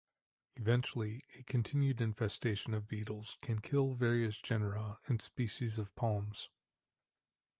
Eventually a continued infestation of beetles can kill various genera and species of palms.